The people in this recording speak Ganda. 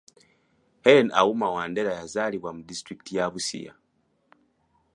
Hellen Auma Wandera yazaalibwa mu disitulikiti ya Busia